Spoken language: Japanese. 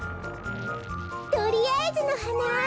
とりあえずのはな！